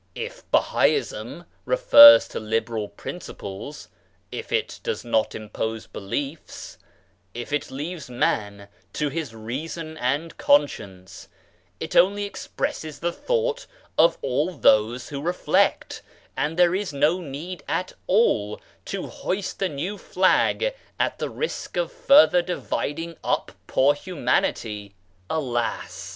If Bahaism refers to liberal principles, if it does not impose beliefs, if it leaves man to his reason and conscience — it only expresses the thought of all those who reflect, and there is no need at all to hoist a new flag at the risk of further dividing up poor humanity ! Alas